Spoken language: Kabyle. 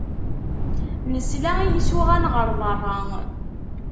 Nesla i isuɣan ɣer berra.